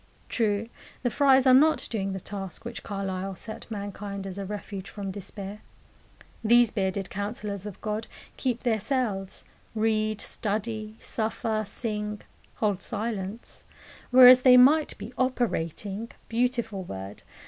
True, the friars are not doing the task which Carlyle set mankind as a refuge from despair. These "bearded counsellors of God" keep their cells, read, study, suffer, sing, hold silence; whereas they might be "operating" beautiful word!